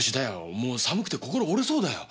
もう寒くて心が折れそうだよ。